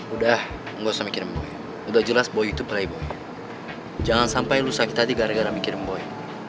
udah udah jelas jelas boy itu playboy jangan sampai lu sakit hati gara gara mikirin boy